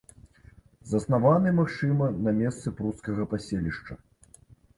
Заснаваны, магчыма, на месцы прускага паселішча.